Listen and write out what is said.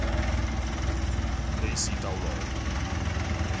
利是逗來